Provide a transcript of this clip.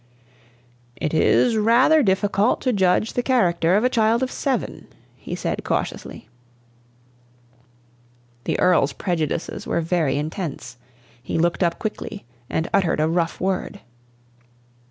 "It is rather difficult to judge of the character of a child of seven," he said cautiously. The Earl's prejudices were very intense. He looked up quickly and uttered a rough word.